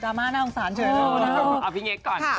ดราม่าน่าอ่องสารเอาพี่เง็กก่อน